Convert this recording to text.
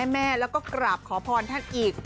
แม่แล้วก็กราบขอพรท่านอีก